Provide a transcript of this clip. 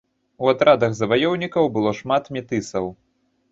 У атрадах заваёўнікаў было шмат метысаў.